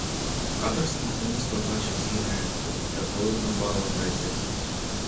Katrs no mums to taču zināja, kad nolēma balotēties.